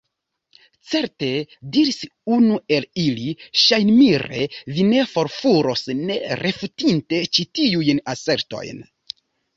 Certe, diris unu el ili, ŝajnmire, vi ne forkuros, ne refutinte ĉi tiujn asertojn!